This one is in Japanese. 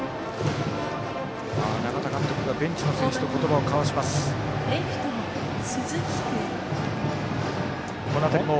永田監督がベンチの選手と言葉を交わしました。